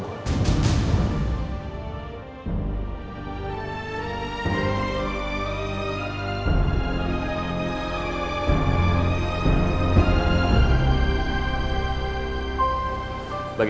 gue gak pernah bilang